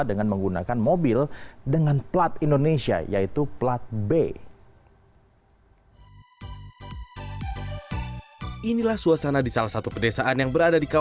dengan menggunakan mobil dengan plat indonesia yaitu plat b